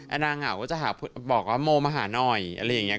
นางเหงาก็จะบอกว่าโมมาหาหน่อยอะไรอย่างนี้